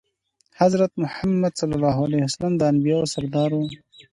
حضرت محمد د انبياوو سردار وو.